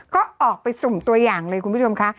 ก็ออกไปสุ่มตัวอย่างเลยคุณผู้ชมค่ะ